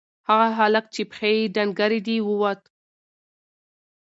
هغه هلک چې پښې یې ډنگرې دي ووت.